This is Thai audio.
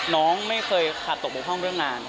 น้องไม่เคยขาดตกบกห้องเรื่องงาน